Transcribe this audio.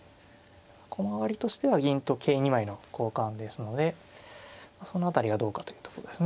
駒割りとしては銀と桂２枚の交換ですのでその辺りがどうかというとこですね。